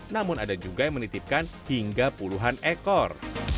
namun ada juga yang menitipkan hingga puluhan ekor